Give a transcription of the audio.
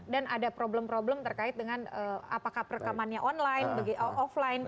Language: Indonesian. dan ada problem problem terkait dengan apakah perekamannya online offline